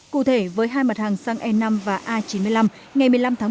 cụ thể với hai mặt hàng xăng e năm và a chín mươi năm ngày một mươi năm tháng một mươi